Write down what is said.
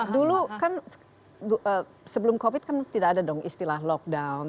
dulu kan sebelum covid kan tidak ada dong istilah lockdown